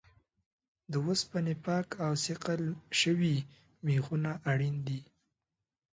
د اوسپنې پاک او صیقل شوي میخونه اړین دي.